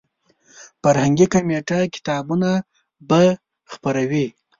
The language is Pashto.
فرهنګي کمیټه کتابونه به خپروي.